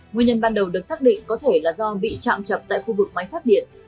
nguyên nhân ban đầu được xác định có thể là do bị chạm chập tại khu vực máy phát điện